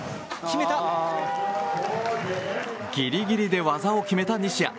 ギリギリで技を決めた西矢。